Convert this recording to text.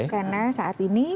karena saat ini